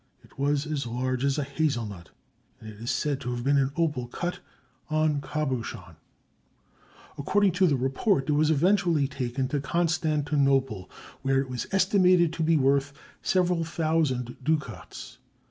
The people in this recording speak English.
It was as large as a hazel nut and is said to have been an opal cut en cabochon. According to the report, it was eventually taken to Constantinople, where it was estimated to be worth "several thousand ducats."